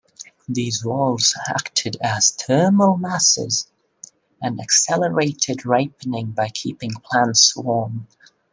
These walls acted as thermal masses and accelerated ripening by keeping plants warm.